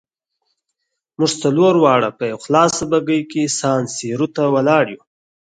موږ څلور واړه په یوه سرخلاصه بګۍ کې سان سیرو ته ولاړو.